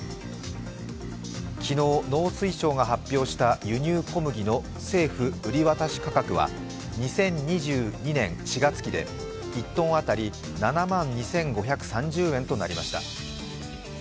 昨日、農水省が発表した輸入小麦の政府売渡価格は２０２２年４月期で１トン当たり７万２５３０円となりました。